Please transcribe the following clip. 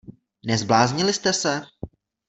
Nezbláznili jste se?